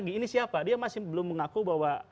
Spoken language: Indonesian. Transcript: ini siapa dia masih belum mengaku bahwa